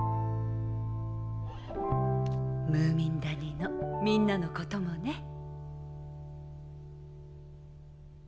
ムーミン谷のみんなのこともね。